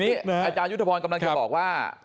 อเจมส์อาจารยุทธพรจะบอกว่า